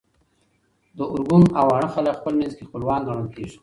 د ارګون او واڼه خلک خپل منځ کي خپلوان ګڼل کيږي